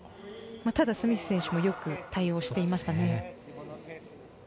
ただ、スミス選手もよく対応していましたね。